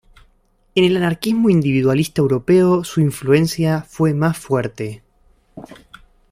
En el anarquismo individualista europeo su influencia fue más fuerte.